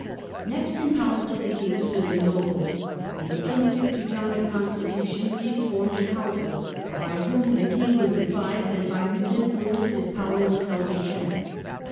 Next in power to the king stood the nobles. In the primitive Teutonic constitutions these formed a council, by whom the king was advised and by whose influence his power was held in check.